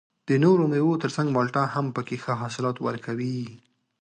د نورو مېوو تر څنګ مالټه هم پکې ښه حاصلات ورکوي